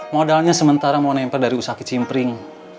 modalnya sementara mau nempel dari usaha kecil